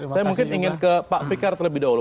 saya mungkin ingin ke pak fikar terlebih dahulu